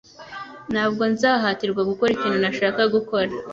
Ntabwo nzahatirwa gukora ikintu ntashaka gukora.